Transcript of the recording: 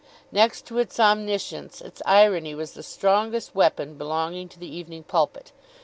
Next to its omniscience its irony was the strongest weapon belonging to the "Evening Pulpit."